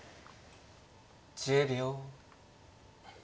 １０秒。